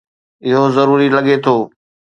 اهو ضروري لڳي ٿو